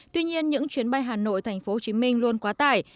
tuy nhiên những chuyến bay hà nội thành phố hồ chí minh luôn quá tải